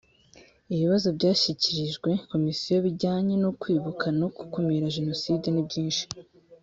ibibazo byashyikirijwe komisiyo bijyanye no kwibuka no gukumira jenoside nibyinshi